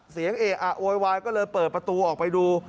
เสียงเอ๋อโอ๊ยวายก็เลยเปิดประตูออกไปดู